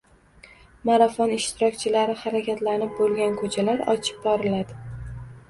Marafon ishtirokchilari harakatlanib bo‘lgan ko‘chalar ochib boriladi